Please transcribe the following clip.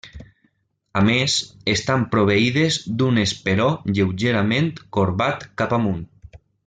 A més, estan proveïdes d'un esperó lleugerament corbat cap amunt.